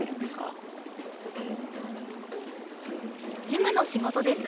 事務の仕事です。